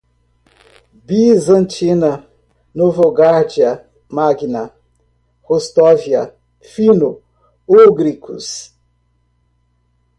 bizantina, Novogárdia Magna, Rostóvia, fino-úgricos